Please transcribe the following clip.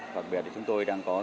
hoặc đặc biệt là chúng tôi đang có